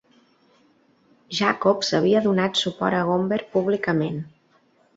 Jacobs havia donat suport a Gomberg públicament.